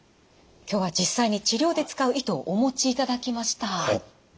今日は実際に治療で使う糸をお持ちいただきました。